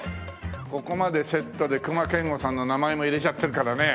ここまでセットで隈研吾さんの名前も入れちゃってるからね。